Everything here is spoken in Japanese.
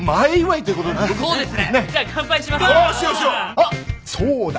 あっそうだ！